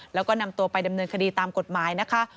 แล้วก็นำตัวไปดำเนินคดีตามกฎหมายนะคะ